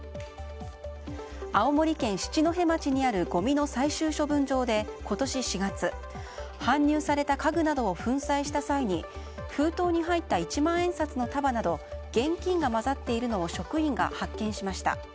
青森県七戸町にあるごみの最終処分場で今年４月、搬入された家具などを粉砕した際に封筒に入った一万円札の束など現金が交ざっているのを職員が発見しました。